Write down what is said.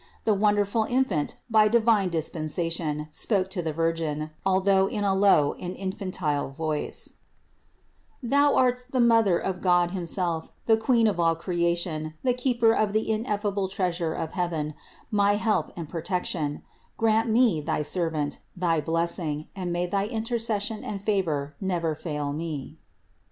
The wonderful infant by divine dispen sation spoke to the Virgin, although in a low and in fantile voice: "Thou art the Mother of God himself, 248 CITY OF GOD the Queen of all creation, the Keeper of the ineffable Treasure of heaven, my help and protection: grant me, thy servant, thy blessing, and may thy intercession and favor never fail me."